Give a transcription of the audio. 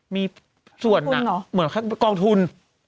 มีส่วนเหมือนกองทุน